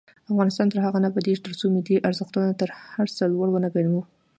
افغانستان تر هغو نه ابادیږي، ترڅو ملي ارزښتونه تر هر څه لوړ ونه ګڼو.